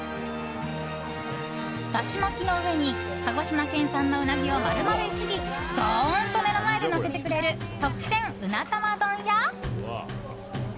だし巻きの上に鹿児島県産のウナギを丸々１尾ドーンと目の前でのせてくれる特選うな玉丼や。